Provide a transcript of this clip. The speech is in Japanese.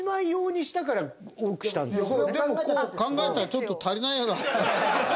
でもこう考えたらちょっと足りないような。